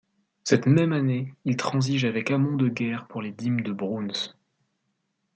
Cette même année il transige avec Hamon de Guer pour les dîmes de Broons.